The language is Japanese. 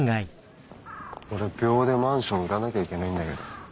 俺秒でマンション売らなきゃいけないんだけど。